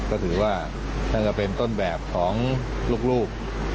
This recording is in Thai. ก็ถือว่านั่นก็เป็นต้นแบบของลูก